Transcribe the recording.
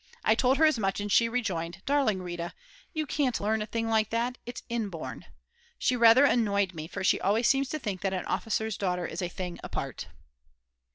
I told her as much, and she rejoined: "Darling Rita, you can't learn a thing like that; it's inborn." She rather annoyed me, for she always seems to think that an officer's daughter is a thing apart.